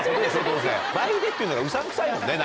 どうせ「倍で」っていうのがうさんくさいよね